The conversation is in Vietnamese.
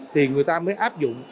thì người ta mới áp dụng